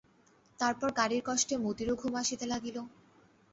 তারপর গাড়ির কষ্টে মতিরও ঘুম আসিতে লাগিল।